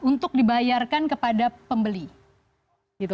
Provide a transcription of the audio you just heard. untuk dibayarkan kepada pembeli